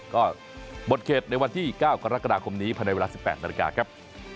ก็หมดเขตในวันที่๙กรกฎาคมนี้ภายในเวลา๑๘นาฬิกาครับ